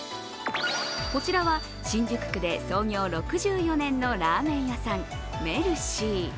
こちらは新宿区で創業６４年のラーメン屋さん、メルシー。